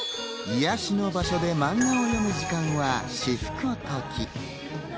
癒やしの場所でマンガを読む時間は至福の時。